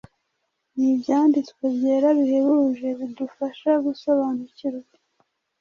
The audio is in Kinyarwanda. ni Ibyanditswe Byera bihebuje bidufasha gusobanukirwa